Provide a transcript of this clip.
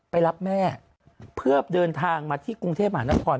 ไปรับแม่เพื่อเดินทางมาที่กรุงเทพมหานคร